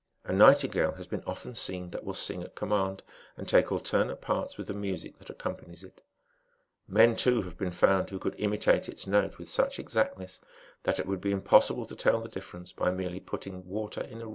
A nightingale has been often seen that will sing at command, and take alternate parts with the music that accompanies it ; men, too, have been found whc could imitate its note with such exactness, that it would be injpossible to tell the difference, by merely putting water in 8 2s 1227 francs, Ajasson says. Chap. 45.] THE (ENANTHE, ETC.